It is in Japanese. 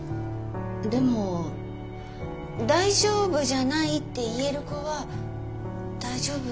でも「大丈夫じゃない」って言える子は大丈夫なんじゃない？